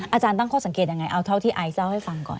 อาจารย์ตั้งข้อสังเกตยังไงเอาเท่าที่ไอซ์เล่าให้ฟังก่อน